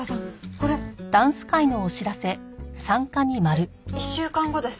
これ１週間後です。